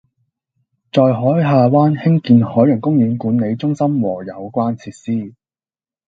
在海下灣興建海洋公園管理中心和有關設施